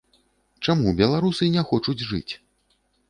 Чаму беларусы не хочуць жыць?